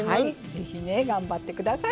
ぜひね頑張って下さい。